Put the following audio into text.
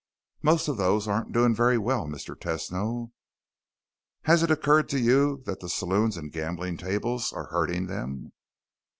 "Most of those aren't doing very well, Mr. Tesno." "Has it occurred to you that the saloons and gambling tables are hurting them?"